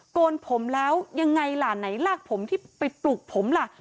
โกนผมแล้วยังไงล่ะไหนลากผมที่ไปปลุกผมล่ะ